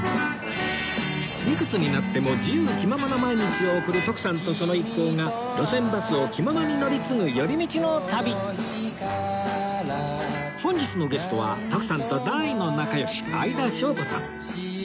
いくつになっても自由気ままな毎日を送る徳さんとその一行が路線バスを気ままに乗り継ぐ寄り道の旅本日のゲストは徳さんと大の仲良し相田翔子さん